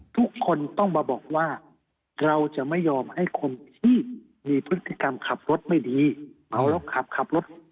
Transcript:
ทุกคนต้องมาบอกว่าเราจะไม่ยอมให้คนที่มีพฤติกรรมขับรถไม่ดีเมาแล้วขับขับรถ